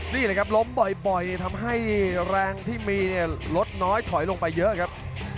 นี่แหละครับล้มบ่อยทำให้แรงที่มีเนี่ยลดน้อยถอยลงไปเยอะครับ